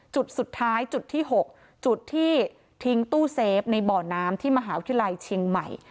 จุดสุดท้ายจุดที่๖จุดที่ทิ้งตู้เซฟในบ่อน้ำที่มหาวิทยาลัยเชียงใหม่